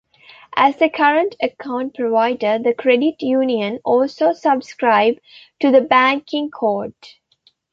As a current account provider, the credit union also subscribes to the Banking Code.